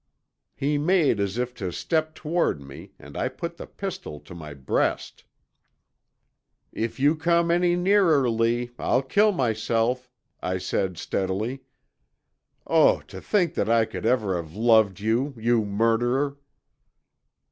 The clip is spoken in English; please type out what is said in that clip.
"He made as if to step toward me and I put the pistol to my breast. "'If you come any nearer, Lee, I'll kill myself,' I said steadily. 'Oh, to think that I could ever have loved you, you murderer!'